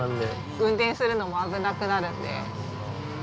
運転するのも危なくなるんで。